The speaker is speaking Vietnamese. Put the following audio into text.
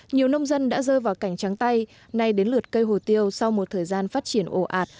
nhiều nông dân đã rơi vào cảnh trắng tay nay đến lượt cây hồ tiêu sau một thời gian phát triển ồ ạt